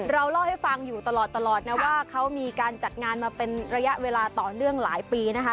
เราเล่าให้ฟังอยู่ตลอดนะว่าเขามีการจัดงานมาเป็นระยะเวลาต่อเนื่องหลายปีนะคะ